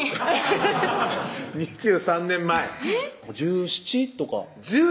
２３年前１７とか１７！